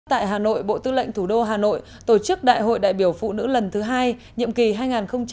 tại hà nội bộ tư lệnh thủ đô hà nội tổ chức đại hội đại biểu phụ nữ lần thứ hai nhiệm kỳ hai nghìn hai mươi hai nghìn hai mươi bốn